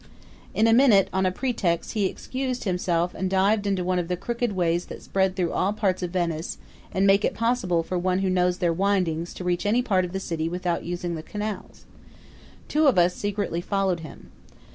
In a minute, on a pretext, he excused himself and dived into one of the crooked ways that thread through all parts of Venice and make it possible for one who knows their windings to reach any part of the city without using the canals. Two of us secretly followed him.